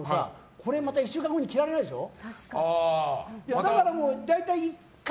これまた１週間後に着られないでしょ？